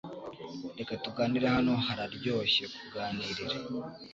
Reka tuganire hano hararyoshye kuganirira